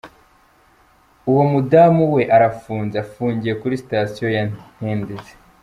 uwo mudamu we arafunze, afungiye kuri sitasiyo ya ntendezi.